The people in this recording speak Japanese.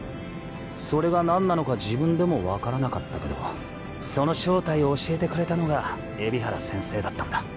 それが何なのか自分でもわからなかったけどその正体を教えてくれたのが海老原先生だったんだ。